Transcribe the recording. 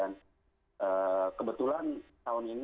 dan kebetulan tahun ini jatuh di